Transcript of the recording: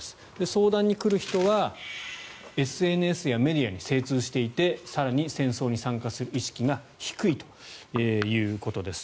相談に来る人はＳＮＳやメディアに精通していて更に戦争に参加する意欲が低いということです。